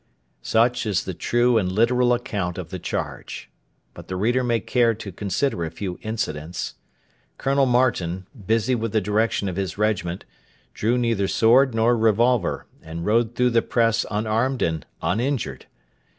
Such is the true and literal account of the charge; but the reader may care to consider a few incidents. Colonel Martin, busy with the direction of his regiment, drew neither sword nor revolver, and rode through the press unarmed and uninjured.